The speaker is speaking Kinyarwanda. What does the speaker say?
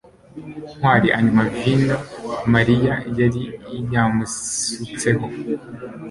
ntwali anywa vino mariya yari yamusutseho